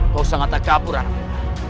kau sangat takabur anak muda